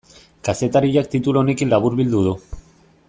Kazetariak titulu honekin laburbildu du.